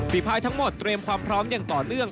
ภายทั้งหมดเตรียมความพร้อมอย่างต่อเนื่อง